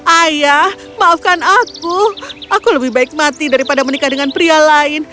ayah maafkan aku aku lebih baik mati daripada menikah dengan pria lain